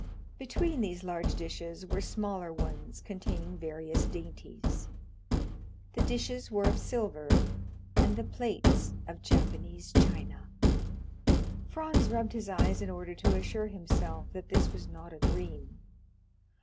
Between these large dishes were smaller ones containing various dainties. The dishes were of silver, and the plates of Japanese china. Franz rubbed his eyes in order to assure himself that this was not a dream.